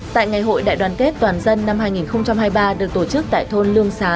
tại ngày hội đại đoàn kết toàn dân năm hai nghìn hai mươi ba được tổ chức tại thôn lương xá